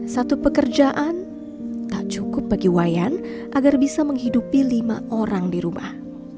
satu pekerjaan tak cukup bagi wayan agar bisa menghidupi lima orang di rumah